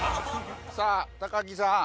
さあ木さん。